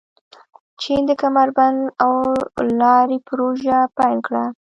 چین د کمربند او لارې پروژه پیل کړه.